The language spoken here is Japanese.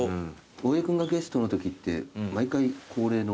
大江君がゲストのときって毎回恒例の。